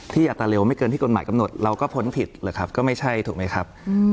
อัตราเร็วไม่เกินที่กฎหมายกำหนดเราก็พ้นผิดหรือครับก็ไม่ใช่ถูกไหมครับ